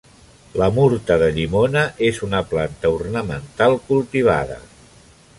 La murta de llimona és una planta ornamental cultivada.